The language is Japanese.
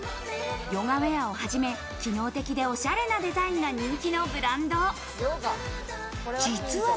ヨガウエアをはじめ、機能的でおしゃれなデザインが人気のブランド。